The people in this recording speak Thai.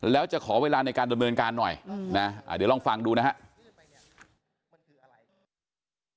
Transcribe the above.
แล้วจะขอเวลาในการดำเนินการหน่อยนะเดี๋ยวลองฟังดูนะครับ